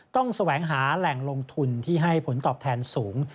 แสวงหาแหล่งลงทุนที่ให้ผลตอบแทนสูง